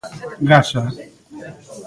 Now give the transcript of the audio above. Gasa.